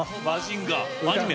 アニメ？